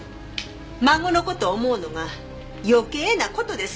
孫の事を思うのが余計な事ですか？